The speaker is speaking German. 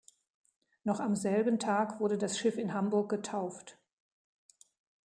Noch am selben Tag wurde das Schiff in Hamburg getauft.